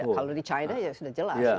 kalau di china ya sudah jelas